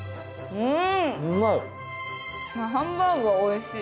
うん！